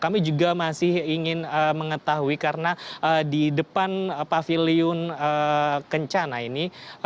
kami juga masih ingin mengetahui karena di depan pavilion kencana ini